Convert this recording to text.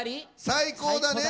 最高だ！ね。